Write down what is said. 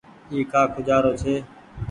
اي ڪآ کوجآرو ڇي۔